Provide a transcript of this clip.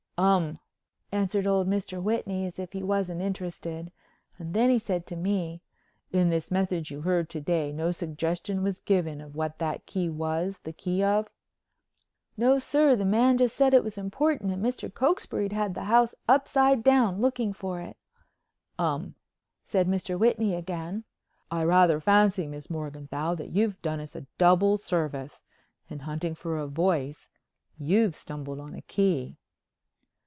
"Um," answered old Mr. Whitney as if he wasn't interested and then he said to me: "In this message you heard to day no suggestion was given of what that key was the key of?" "No, sir. The man just said it was important and Mr. Cokesbury'd had the house upside down looking for it." "Um," said Mr. Whitney again. "I rather fancy, Miss Morganthau, you've done us a double service; in hunting for a voice, you've stumbled on a key."